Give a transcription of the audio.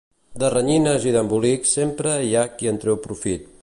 De renyines i d'embolics, sempre hi ha qui en treu profit.